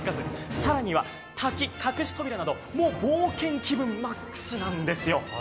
更には滝、隠し扉など、冒険気分マックスなんですよ。